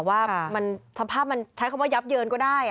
ว่าสภาพมันใช้คำว่ายับเยินก็ได้